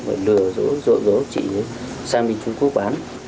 và lừa dỗ dỗ dỗ chị sang bình trung quốc bán